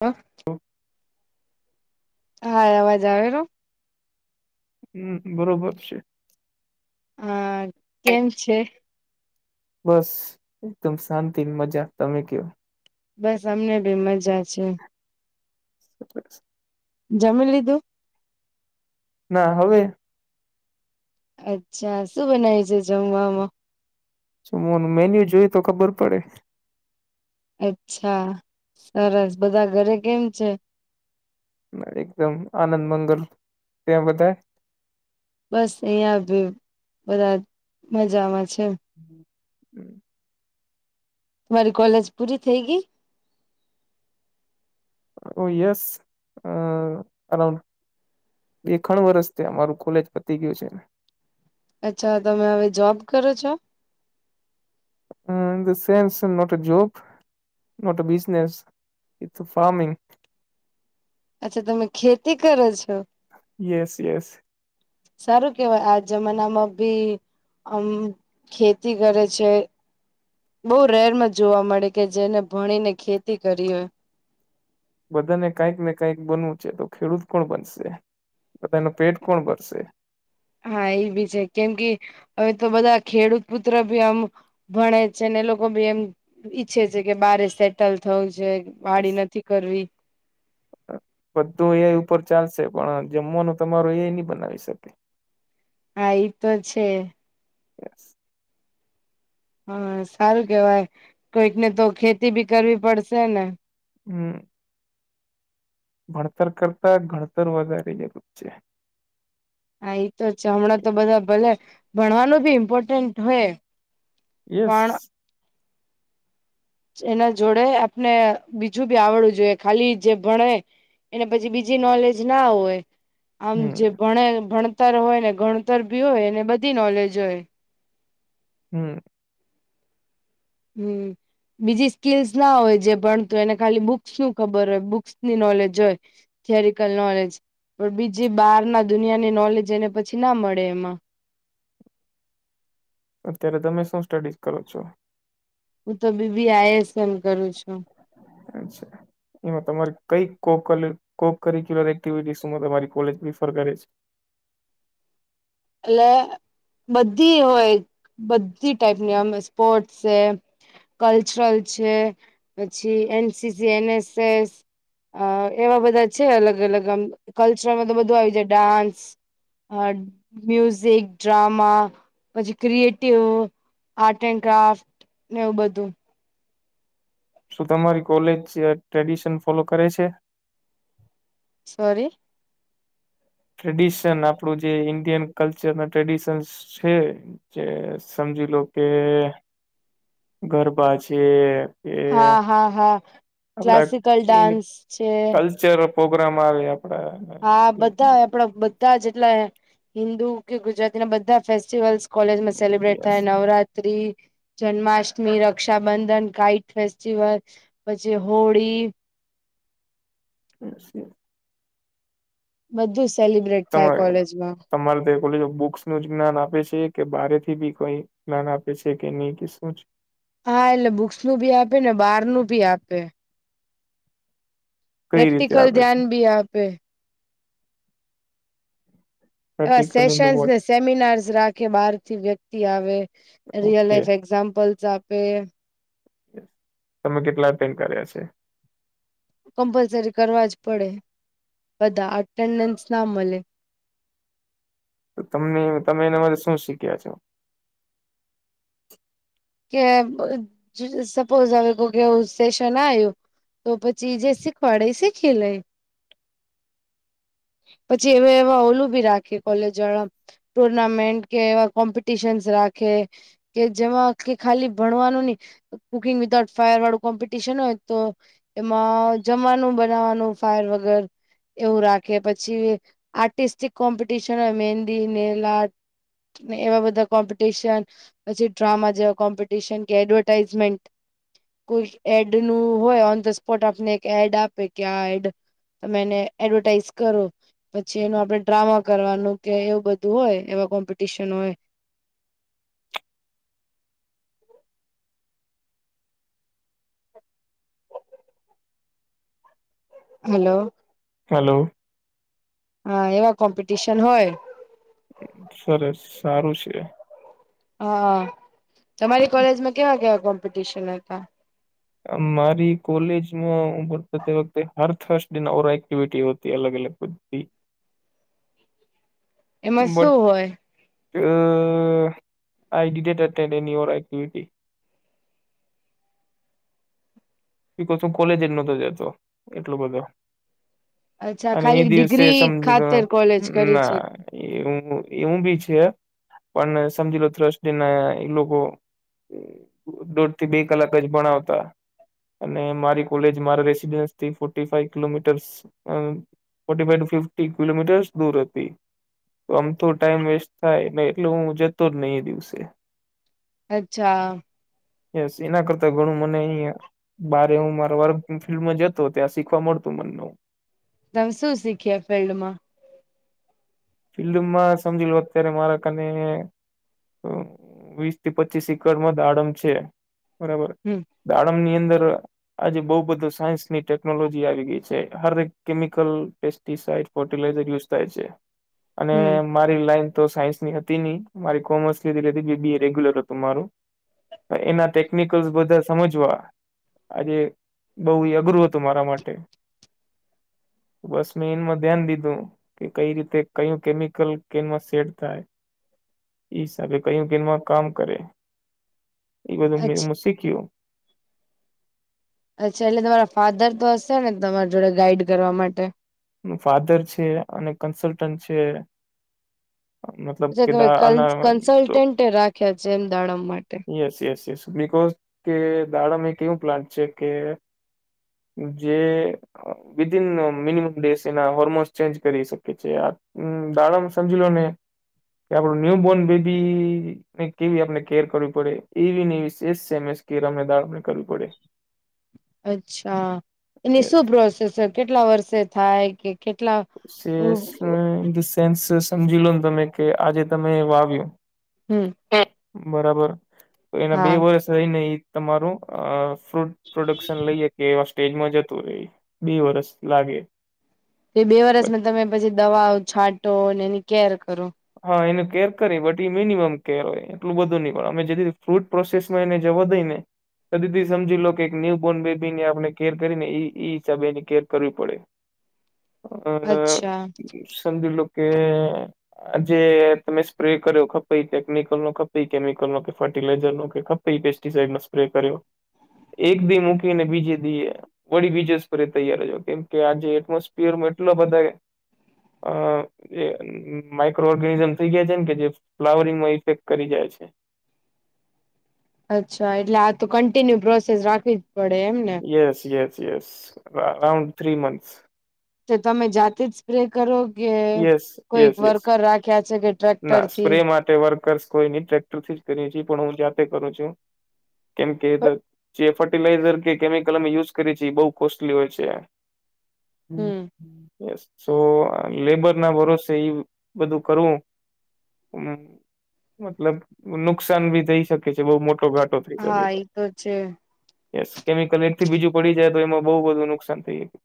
હા. તો. હા અવાજ આવેરો. હું બરોબર છે. આ કેમ છે. બસ એકદમ શાંતિની મજા તમે કેમ. બસ અમને ભીમ મા જાય છે. શ [inaudible] જમી લીધું ના હવે, અચ્છા શું બનાયવું છે જમવામાં જમવાનું મેન્યુ જોઈતો ખબર પડે અચ્છા સરસ બધા ઘરે કેમ છે? એકદમ આનંદ મંગલ ત્યાં બધા બસ અહીંયા ભી બધા મજામાં છે હમ તમારી કોલેજ પૂરી થઈ ગઈ ઓ યેસ અરાઉન્ડ બે ખાન વર્ષથી અમારું કોલેજ પતી ગયું છે ને અચ્છા તમે હવે જોબ કરો છો? હ સેમસંગના નોટ જોબ નોટ બિઝનેસ ઈતો ફારમિંગ અચ્છા તમે ખેતી કરો છો યેસ યેસ સારું કેવાય આ જમાના માંભી હમ ખેતી કરે છે બો રેરમાં જોવા મળે કે જેને ભણીને ખેતી કરી હોય બધાને કંઈક ને કંઈક બનવું છે, તો ખેડૂત કોણ બનશે બધાનું પેટ કોણ ભરશે. હા એબી છે, કેમ કે હવે તો બધા ખેડૂતપુત્ર ભી આમ ભણે છે ને એ લોકો ભી એમ ઈચ્છે છે, કે બારે સેટલ થવું છે. પાડી નથી કરવી બધું એ ઉપર ચાલશે પણ જમવાનું તમારો એ ની બનાવી શકે હા ઈ તો છે એસ હા સારું કેવાય કોઈકને તો ખેતી ભી કરવી પડશેને, હમ ભણતર કરતા ગણતર વધારે જરૂરી છે. હા એ તો છે હમણાં તો બધા ભલે ભણવાનું ભી ઇમ્પોર્ટન્ટ હોય પણ યેસ એના જોડે આપને બીજું બી આવડવું જોઈએ ખાલી જે ભણે એને પછી બીજી નોલેજ ના હોય આમ હમ જે ભણે ભણતર હોય ને ગણતર ભી હોય એને બધી નોલેજ હોય હમ હમ બીજી સ્કીલસ ના હોય જે ભણતું હોય એને ખાલી બુક્સ નું ખબર હોય બુક્સની નોલેજ હોય થિયોરિકલ નોલેજ પણ બીજી બહાર ના દુનિયાની નોલેજ એને પછી ના મળે એમાં અત્યારે તમે શું સ્ટડી કરો છો? હું તો બી બી આઈ એસ એમ કરું છું. અચ્છા એમાં તમારે કઈ કોક્યુલર એક્ટિવિટી તમારી કોલેજ પ્રિફર કરે છે એટલે બધી હોય બધી ટાઈપની એમ સ્પોર્ટસ છે કલ્ચરલ છે પછી N C C, N S S, અ એવા બધા છે અલગ અલગ આમ કલ્ચરલમાં તો બધું આવી જાય ડાન્સ અ મ્યુઝિક, ડ્રામા પછી ક્રિએટિવ, આર્ટ એન્ડ ક્રાફ્ટ, ને એવું બધું શું તમારી કોલેજ ટ્રેડિશન ફોલો કરે છે? સોરી ટ્રેડિશન આપડું જે ઈન્ડિયન કલ્ચર ના ટ્રેડિશનસ છે. જે સમજી લો કે ગરબા છે કે હા હા હા આપડા ક્લાસિકલ ડાન્સ છે કલ્ચર પ્રોગ્રામ આવે આપડા હા મતલબ બધા આપડા બધા જેટલા હિન્દુ કે ગુજરાતી ના બધા ફેસ્ટિવલ્સ કોલેજ માં સેલિબ્રેટ યસ થાય નવરાત્રી જન્માષ્ટમી, રક્ષાબંધન, કાઇટ ફેસ્ટિવલ પછી હોળી અચ્છા બધું સેલિબ્રેટ થાય તમારે કોલેજમાં તમારે દે કોલેજમા બુક્સ નું જ્ઞાન આપે છે કે બારે થી બી કોઈ જ્ઞાન આપે છે કે નહી કે શું છે? હા એટલે બુક્સ નું ભી આપે ને બાર નું ભી આપે કઈ રીતે પ્રેક્ટિકલ આપે ધ્યાન છે ભી આપે એવા પ્રેક્ટિકલ ઇન ધ વોટ સેશન્સને સેમિનાર્સ રાખે બહાર થી વ્યક્તિ આવે રિયલ ઓકે લાઈફ એક્ઝામ્પલ્સ આપે તમે કેટલા અટેન કર્યા છે? કમ્પલસરી કરવા જ પડે બધા અટેન્ડન્સ ના મળે તમને તમે એના માટે શું શીખ્યા છો? કે સપોઝ હવે કો કેવું સેશન આયું તો પછી જે સીખવાડે એ સીખી લય પછી એમે એવા ઓલું ભી રાખી કોલેજ વાળા ટુર્નામેન્ટ કે એવા કોમ્પિટશનસ રાખે કે જેમાં કે ખાલી ભણવાનું નહી કુકિંગ વિધાઉટ ફાયર વાળું કોમ્પિટિશન હોય તો એમાં જમવાનું બનાવાનું ફાયર વગર એવું રાખે કે પછી આર્ટિસ્ટિક કોમ્પિટશન હોય મહેંદી, નેઈલ આર્ટ, ને એવા બધા કોમ્પિટિશન પછી ડ્રામા જેવા કોમ્પિટિશન કે એડવર્ટાઈઝમેન્ટ કોઈ એડ નું હોય ઓન ધ સ્પોટ આપને એક એડ આપે કે આ એડ મેને એડવર્ટાઇઝ કરો પછી એનું આપડે ડ્રામા કરવાનું કે એવું બધું હોય એવા કોમ્પિટિશન હોય હલો. હેલો હા એવા કોમ્પિટિશન હોય સરસ સારું છે. હા હા તમારી કોલેજમાં કેવા કેવા કોમ્પિટિશન હતા મારી કોલેજમાં વખતે હર થર્સ ડે ઓ એક્ટિવિટી હોતી અલગ અલગ બધી [unintelligible] એમાં શું બટ હોય અ આઈટી ટેટ એનીર્ટિવિટી શું કોલેજ જ નતો જતો એટલો બધો અચ્છા અને એ ખાલી દિવસે ડિગ્રી સમજી ખાતર કોલેજ કરી છે લોના એવું એવું બી છે પણ સમજી લો ત્રસ્ટના એ લોકો દોઢ થી બે કલાક જ ભણાવતા અને મારી કોલેજ મારા રેસીડેન્સથી ફોર્ટિ ફાઈવ કિલોમીટર્સ હમ્મ forty five two fifty kilometres દૂર હતી તો આમ તો ટાઈમ વેસ્ટ થાયને એટલે હું જતો જ નહી એ દિવસે અચ્છા એસ એના કરતા ઘણું મને અહીંયા બારે હું મારા વર્ક ફિલ્ડમાં જતો ત્યાં શીખવા મળતું મને હમ્મ તમે શું શીખ્યા ફિલ્ડ માં ફિલ્ડમાં સમજી લો અત્યારે મારા કને તો વીસ થી પચીસ એકર માં દાડમ છે બરાબર હમ દાડમ ની અંદર આજે બઉ બધું સાયન્સની ટેકનોલોજી આવી ગઈ છે હરેક કેમિકલ પેસ્ટિસાઈડ ફર્ટિલાઈઝર યુઝ થાય છે અને હમ મારી લાઈન તો સાયન્સની હતી મારી કોમર્સ લીધી બિબિ એ રેગ્યુલર હતું મારું એના ટેકનિકલ્સ બધા સમજવા આજે બઉ અઘરું હતું મારા માટે બસ મેં એનમાં ધ્યાન દીધું કે કઈ રીતે કયું કેમિકલ કેનમાં સેટ થાય એ હિસાબે કયું ગલમાં કામ કરે એ બધું અચ્છા મે શીખ્યું અચ્છા એટલે તમારા ફાધર તો હશે ને તમારી જોડે ગાઈડ કરવા માટે ફાધર છે અને કન્સલ્ટન્ટ છે મતલબ પછા કે તમે આના કન્સલ્ટન્ટ રાખ્યા છે એમ દાડમ માટે યેસ યેસ યેસ બિકોઝ કે દાડામાં એક કેવું પ્લાન્ટ છે કે જે વિદન મિનિમમ ડેસ એના હોર્મોન્સ ચેન્જ કરી શકે છે હમ દાડમ સમજી લો ને કે આપડું ન્યુ બોર્ન બેબી ને કેવી આપણે કેર કરવી પડે એવીને એવીશેષ સેમસ કેર અમને દાળમને કરવી પડે અચ્છા એની યસ શું પ્રોસેસ કેટલા વર્ષે થાય કે કેટલા સેન્સ સમજી લો ને તમે કે આજે તમે વાવ્યું હમ બરાબર એના બે હા વર્ષ રઈને એ તમારું આ ફ્રૂટ પ્રોડક્શન લઈએ કે એવા સ્ટેજમાં જતું રેય બે વરસ લાગે એ બે વરસમાં તમે પછી દવાઓ છાંટો અને એની કેર કરો હા એનું કેર કરી બટ મિનિમમ કેર હોય એટલું બધું નહી પણ અમે જે ફ્રૂટ પ્રોસેસમાં એને જવાદઈ ને ત દધથી સમજી લો કે એક ન્યૂબોર્ન બેબી ને આપણે કેર કરીને ઈ એ હિસાબેની કેર કરવી પડે હ અ સમજું લો કે જે તમે સ્પ્રે કર્યો ખપે ટેકનિકલ નો ખપે કેમિકલ નો કે ફર્ટિલાઈઝર નો કે ખે પેસ્ટિાઈડ નો સ્પ્રે કર્યો એક દી મૂકીને બીજી દી એ વળી બીજસ પર તૈયારજો કેમ કે આજે એટમોસફિયરમાં એટલા બધાએ આ જે માઇક્રો ઓર્ગેનીઝમ થઈ ગાય છેને કે જે ફ્લાવરિંગમાં ઇફેક્ટ કરી જાય છે. અચ્છા એટલે આ તો કન્ટિન્યુ પ્રોસેસ રાખવી જ પડે એમને yes yes yes around three months તો તમે જાતે જ સ્પ્રે કરો કે યસ કોઈ યસ યસ વર્કર રાખ્યા છે કે ટ્રેક્ટર ના થી સ્પ્રે માટે વર્કર્સ કોઈ ની ટ્રેક્ટર થી જ કરયે છે પણ હું જાતે કરું છું કેમકે જે ફર્ટિલાઈઝર કે કેમિકલ અમે યુઝ કરીએ છીએ એ બહુ કોસ્ટલી હોય છે. હમ હ તો લેબર ના ભરોસે ઈ બધું કરવું હમ મતલબ નુકસાન ભી થઈ શકે છે બહુ મોટો ઘાટો હા એ તો છે યેસ કેમિકલ એક થી બીજું પડી જાય તો એમાં બઉ બધુ નુકસાન થઈ જાય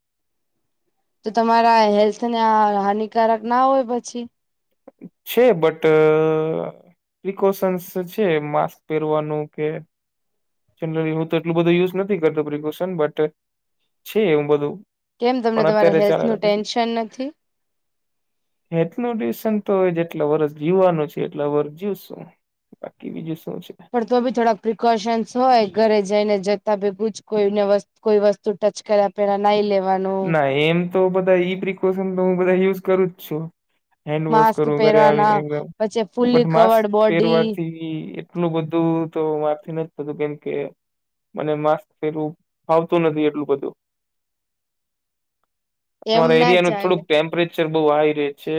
તો તમારા હેલ્થ ને હાનિકારક ના હોય પછી છે બટ પ્રિકોશન્સ છે માસ્ક પહેરવાનું કે જનરલી હું તો એટલું બધું યુઝ નથી કરતો પ્રિકોશન બટ છે એવું બધું કેમ તમને પણ તમારા અત્યારે હેલ્થ ચાલે નું રાખે છે. ટેન્શન નથી હેલ્થ નું ટ્યુશન તો હવે જેટલા વર્ષ જીવવાનું છે એટલા વર્ષ જીવશું બાકી બીજું શું છે. પણ તો બી થોડાક પ્રિકોશન્સ હોય ઘરે જઈને જતા ભેગું જ કોઈને વસ્તુ કોઈ વસ્તુ ટચ કર્યા પેલા નાહી લેવાનું ના એમ તો બધા ઈ પ્રિકોશન તો હું બધા યુઝ કરું જ છું. હેન્ડ વોશ માસ્ક કરવું ઘરે પહેરવાના આવીને એકદમ પછી fully but mask covered body પહેરવાથી થી એટલું બધું તો મારથી ન થતું કેમ કે મને માસ્ક પેરવું ફાવતું નથી એટલું બધું એમ તમારા ના એરિયા નું થોડું ચાલે ટેમ્પરેચ ટેમ્પ્રેચર બહુ હાઈ રહે છે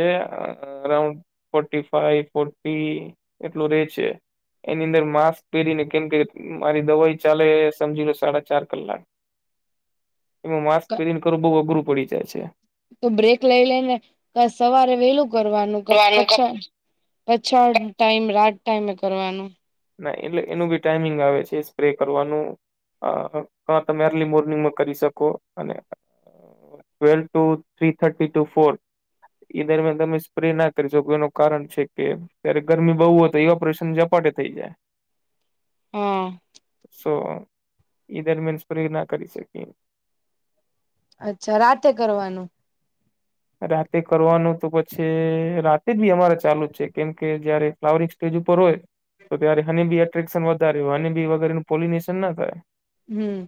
અરાઉન્ડ ફોર્ટિ ફાઇવ ફોર્ટિ એટલું રે છે. એની અંદર માસ્ક પહેરી ને કેમ કે મારી દવાઈ ચાલે સમજી લો સાડા ચાર કલાક એમાં માસ્ક પહેરીન કરવું બહુ અઘરું પડી જાય છે. તો બ્રેક લઈ લઈને સવારે વેહેલું કરવાનું કે છે પછા પછાળ ટાઈમ રાત ટાઈમે કરવાનો ના એટલે એનું બી ટાઈમિંગ આવે છે સ્પ્રે કરવાનું અ હ તમે અર્લી મોર્નિંગમાં કરી શકો અને twelve two three thirty two four એ દરમિયાન તમે સ્પ્રે ના કરી શકો એનું કારણ છે કે ત્યારે ગરમી બહુ હોય ઓપરેશન પ્રશન ઝપાટે થઈ જાય હા સો ઈ દરમિયાન સ્પ્રે ના કરી શકી અચ્છા રાતે કરવાનું રાતે કરવાનું તો પછી રા તે જ બી અમારે ચાલુ જ છે કેમ કે જયારે ફ્લાવરિંગ સ્ટેજ ઉપર હોય તો ત્યારે હનીબી એટ્રેક્શન વધારે હોય હનીબી વગેરેનું પોલિનેશન ના થાય હમ્મ.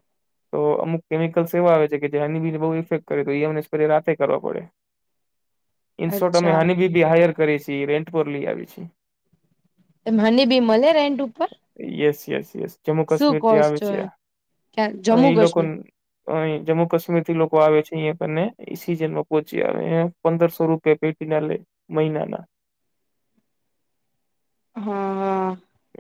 તો અમુક કેમિકલ્સ એવા આવે છે કે જે આની બીને બહુ ઇફેક્ટ કરે તો એ અમને સ્પ્રે રાતે કરવા પડે. ઇન શોર્ટ અમે અચ્છા હની બીબી હાયર કરીએ છી રેન્ટ પર લઈ આવી છે. એમ હની બી મળે રેન્ટ ઉપર યસ યસ યસ જમ્મુ શું કાશ્મીરથી કોર્સ આવે છો છે એ? ક્યાં જમ્મુ ઈ લોકોન કાશ્મીર અહિ જમ્મુ કાશ્મીર થી લોકો આવે છે અહીં કને ઈ સીઝન પો છે ને પંદરસો રૂપિયા પેટી ના લે મહિના ના હા હા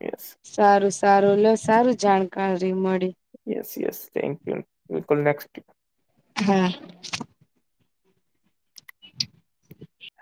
યસ સારું સારું લો સારું જાણકારી મળી. યસ યસ થેન્ક યુ બિલકુલ નેક્સ્ટ હા. [inaudible]